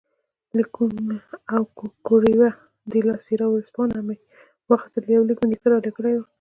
لیکونه او کوریره ډیلا سیرا ورځپاڼه مې واخیستل، یو لیک مې نیکه رالېږلی وو.